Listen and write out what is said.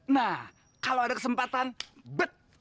nah kalau ada kesempatan but